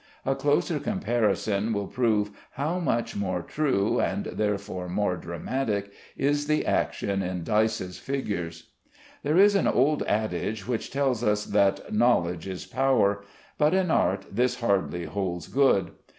A closer comparison will prove how much more true, and therefore more dramatic, is the action in Dyce's figures. There is an old adage which tells us that "knowledge is power," but in art this hardly holds good.